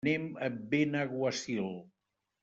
Anem a Benaguasil.